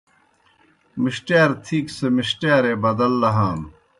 مِݜٹِیار تِھیک سہ مِݜٹِیارے بدل لہانوْ